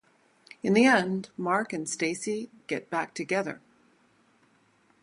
In the end, Mark and Stacy get back together.